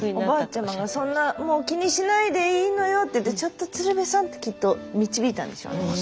おばあちゃまが「そんなもう気にしないでいいのよ」っていって「ちょっと鶴瓶さん」ってきっと導いたんでしょうね。